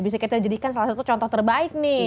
bisa kita jadikan salah satu contoh terbaik nih